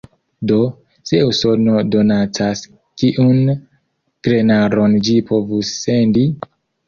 Do, se Usono donacas, kiun grenaron ĝi povus sendi?